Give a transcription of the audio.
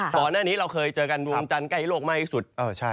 ก่อนหน้านี้เราเคยเจอกันดวงจันทร์ใกล้โลกมากที่สุด